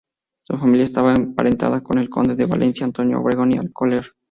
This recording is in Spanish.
Su familia estaba emparentada con el conde de la Valenciana Antonio Obregón y Alcocer.